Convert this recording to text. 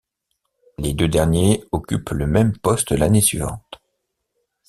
Les deux derniers occupent le même poste l'année suivante.